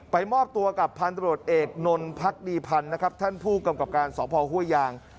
ไปมอบตัวกับพันธุ์ตำรวจเอกนลพรรคดีพันธุ์นะครับท่านผู้กำกับการสภฮวยยาง